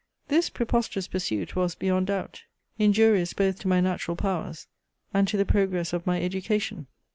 This preposterous pursuit was, beyond doubt, injurious both to my natural powers, and to the progress of my education.